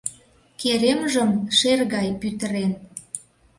Керемжым шер гай пӱтырен.